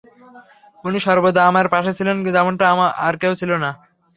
উনি সর্বদা আমার পাশে ছিলেন, যেমনটা আর কেউ ছিলো না।